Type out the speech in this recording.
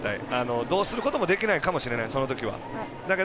どうすることもできないかもしれないそのときは。